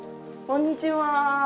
こんにちは。